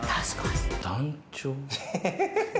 団長？